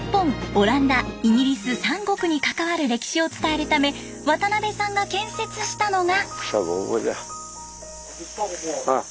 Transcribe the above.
オランダイギリス３国に関わる歴史を伝えるため渡邊さんが建設したのが。